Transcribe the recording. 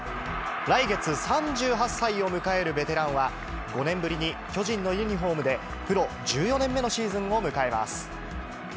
来月３８歳を迎えるベテランは、５年ぶりに巨人のユニホームで、プロ１４年目のシーズンを迎えます。